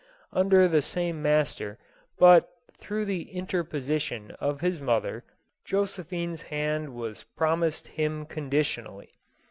., under the same master, but, through the interposition of his mother, Josephine's hand was promised him conditionally.